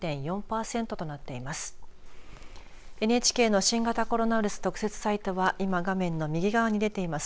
ＮＨＫの新型コロナウイルス特設サイトは今画面の右側に出ています